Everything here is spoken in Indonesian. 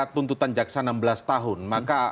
tuntutan jaksa enam belas tahun maka